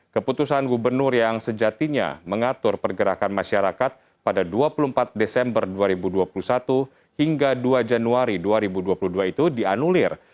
keputusan gubernur yang sejatinya mengatur pergerakan masyarakat pada dua puluh empat desember dua ribu dua puluh satu hingga dua januari dua ribu dua puluh dua itu dianulir